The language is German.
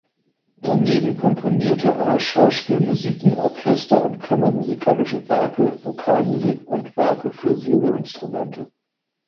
Daneben komponierte er Schauspielmusiken, Orchester- und kammermusikalische Werke, Vokalmusik und Werke für Soloinstrumente.